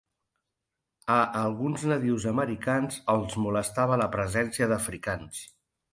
A alguns nadius americans els molestava la presència d'africans.